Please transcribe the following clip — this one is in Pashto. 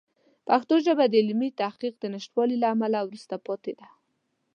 پښتو ژبه د علمي تحقیق د نشتوالي له امله وروسته پاتې ده.